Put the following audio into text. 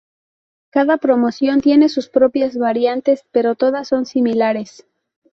Cada promoción tiene sus propias variantes, pero todas son similares.